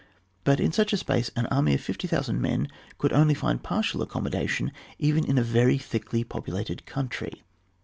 But in such a space an army of 50,000 men could only nnd partial accommoda tion, even in a very thickly populated country.